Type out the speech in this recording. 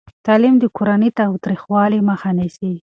تعلیم د کورني تاوتریخوالي مخه نیسي.